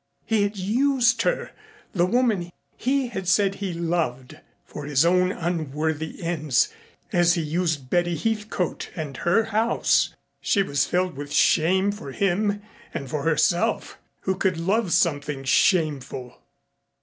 He had used her, the woman he had said he loved, for his own unworthy ends as he used Betty Heathcote and her house. She was filled with shame for him and for herself, who could love something shameful.